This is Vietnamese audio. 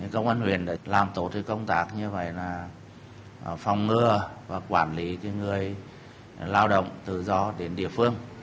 công an huyện đã làm tốt công tác như vậy là phòng ngừa và quản lý người lao động tự do đến địa phương